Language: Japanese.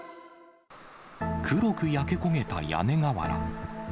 黒く焼け焦げた屋根瓦。